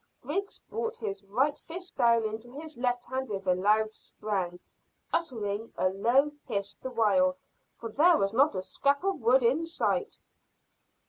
Griggs brought his right fist down into his left hand with a loud spang, uttering a low hiss the while, for there was not a scrap of wood in sight.